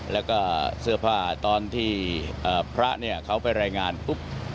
แล้วก็เสื้อผ้าตอนที่พระเนี่ยเขาไปรายงานปุ๊บ